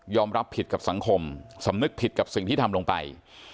รับผิดกับสังคมสำนึกผิดกับสิ่งที่ทำลงไป